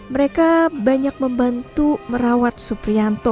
mereka banyak membantu merawat suprianto